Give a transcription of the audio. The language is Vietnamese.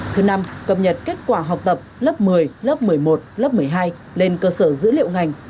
thứ năm cập nhật kết quả học tập lớp một mươi lớp một mươi một lớp một mươi hai lên cơ sở dữ liệu ngành